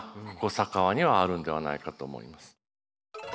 佐川にはあるんではないかと思います。